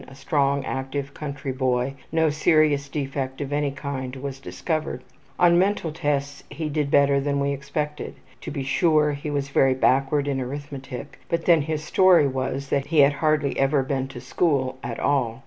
A strong active country boy. No serious defect of any kind was discovered. On mental tests he did better than we expected. To be sure he was very backward in arithmetic, but then his story was that he had hardly ever been to school at all.